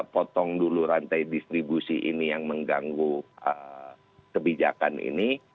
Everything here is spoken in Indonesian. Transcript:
potong dulu rantai distribusi ini yang mengganggu kebijakan ini